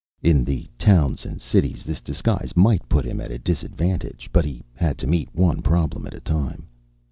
In the towns and cities, this disguise might put him at a disadvantage; but he had to meet one problem at a time.